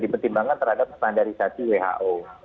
dipertimbangkan terhadap pandarisasi who